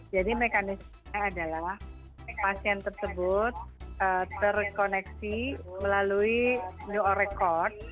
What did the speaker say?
jadi mekanisme adalah pasien tersebut terkoneksi melalui new oral record